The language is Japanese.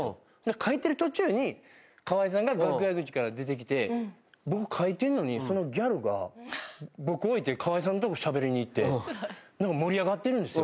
書いてる途中に河井さんが楽屋口から出てきて僕書いてんのにそのギャルが僕置いて河井さんとこしゃべりにいって盛り上がってるんですよ